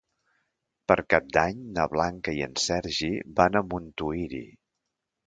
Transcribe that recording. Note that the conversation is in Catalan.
Per Cap d'Any na Blanca i en Sergi van a Montuïri.